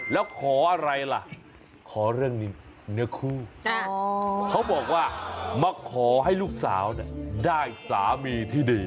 แล้วขออะไรล่ะขอเรื่องนี้เนื้อคู่เขาบอกว่ามาขอให้ลูกสาวได้สามีที่ดี